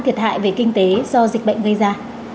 thiệt hại về kinh tế do dịch bệnh gây ra